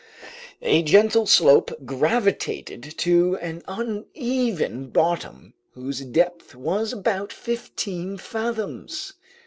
A gentle slope gravitated to an uneven bottom whose depth was about fifteen fathoms.